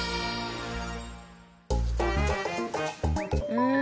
うん。